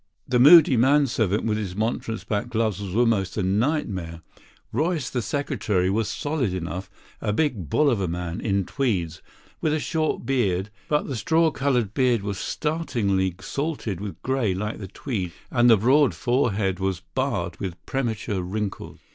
The moody man servant, with his monstrous black gloves, was almost a nightmare; Royce, the secretary, was solid enough, a big bull of a man, in tweeds, with a short beard; but the straw coloured beard was startlingly salted with grey like the tweeds, and the broad forehead was barred with premature wrinkles.